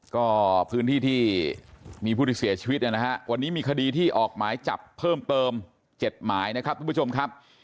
ก็พื้นที่ที่มีผู้ที่เสียชีวิตเนี่ยนะฮะวันนี้มีคดีที่ออกหมายจับเพิ่มเติม๗หมายนะครับทุกผู้ชมครับ